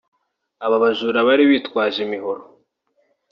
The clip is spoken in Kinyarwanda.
Abo bajura bari bitwaje imihoro